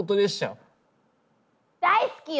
大好きよ！